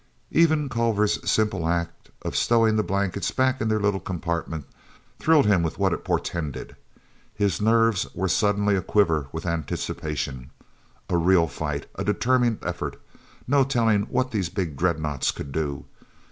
Even Culver's simple act of stowing the blankets back in their little compartment thrilled him with what it portended. His nerves were suddenly aquiver with anticipation. A real fight! A determined effort! No telling what these big dreadnoughts could do.